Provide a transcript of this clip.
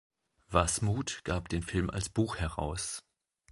Wasmuth gab den Film als Buch heraus.